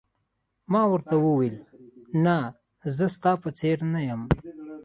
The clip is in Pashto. ما ورته وویل: نه، زه ستا په څېر نه یم.